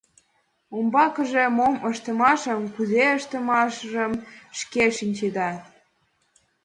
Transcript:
Умбакыже мом ыштышашым, кузе ыштышашыжым шке шинчеда...